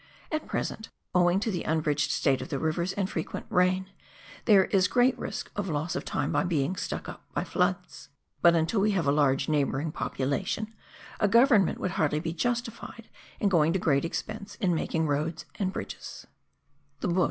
At present, owing to the unbridged state of the rivers and frequent rain, there is great risk of loss of time by being " stuck up " by floods. But until we have a large neighbouring population, a govern ment would hardly be justified in going to great expense in making roads and bridges.